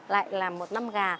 lại là một năm gà